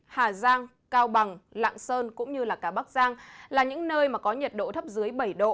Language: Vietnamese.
hà giang cao bằng lạng sơn cũng như cả bắc giang là những nơi mà có nhiệt độ thấp dưới bảy độ